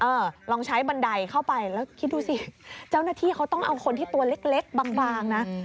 ลองใช้บันไดเข้าไปแล้วคิดดูสิเจ้าหน้าที่เขาต้องเอาคนที่ตัวเล็กบางนะ